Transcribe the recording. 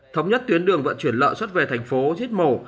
thống nhất tuyến đường vận chuyển lợn xuất về thành phố giết mổ